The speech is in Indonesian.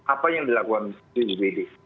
apa yang dilakukan dari ubd